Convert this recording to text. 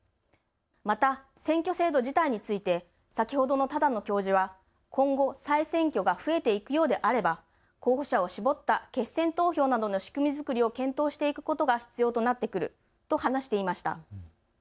また選挙制度自体について先ほどの只野教授は今後、再選挙が増えていくようであれば候補者を絞った決選投票などの仕組み作りを検討していくことが必要となってくると話していました。